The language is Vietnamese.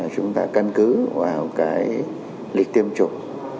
chúng ta căn cứ vào cái lịch tiêm chủng